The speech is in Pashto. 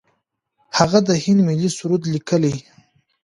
هغه د هند ملي سرود لیکلی.